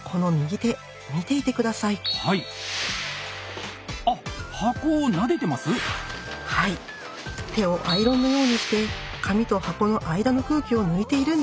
手をアイロンのようにして紙と箱の間の空気を抜いているんです。